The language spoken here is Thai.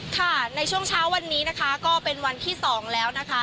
ค่ะในช่วงเช้าวันนี้นะคะก็เป็นวันที่๒แล้วนะคะ